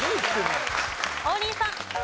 王林さん。